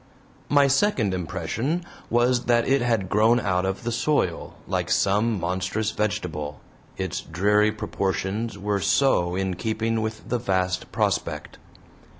My second impression was that it had grown out of the soil, like some monstrous vegetable, its dreary proportions were so in keeping with the vast prospect.